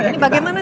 iya pr pertamanya